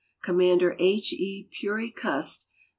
Commander IL E. Purey C'ust de.'